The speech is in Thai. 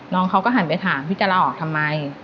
น้องเขาก็หันไปถามพี่จะลาออกทำไม